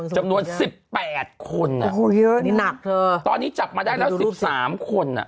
จำนวน๑๘คนนี่หนักเธอตอนนี้จับมาได้แล้ว๑๓คน